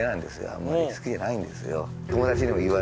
あんまり好きじゃないんですよ。